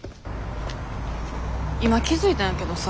今気付いたんやけどさ。